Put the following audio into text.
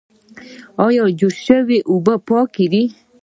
ایا جوش شوې اوبه پاکې دي؟